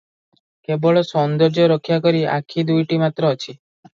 କେବଳ ସୌନ୍ଦର୍ଯ୍ୟ ରକ୍ଷା କରି ଆଖି ଦୁଇଟି ମାତ୍ର ଅଛି ।